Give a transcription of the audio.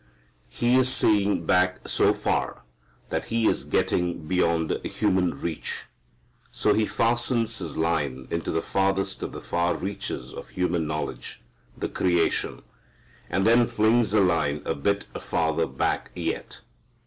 He is seeing back so far that he is getting beyond human reach. So he fastens his line into the farthest of the far reaches of human knowledge, the creation, and then flings the line a bit farther back yet.